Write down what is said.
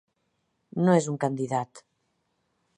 No és un candidat.